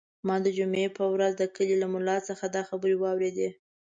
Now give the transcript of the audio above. ما د جمعې په ورځ د کلي له ملا څخه دا خبرې واورېدې.